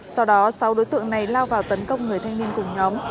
sau đó sau đối tượng này lao vào tấn công người thanh niên cùng nhóm